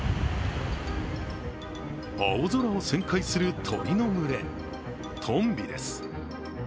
青空を旋回する鳥の群れ、とんびです。